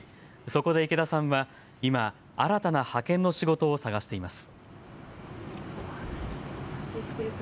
そこで池田さんは今、新たな派遣の仕事を探しています。